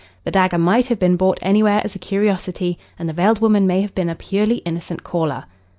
The dagger might have been bought anywhere as a curiosity, and the veiled woman may have been a purely innocent caller."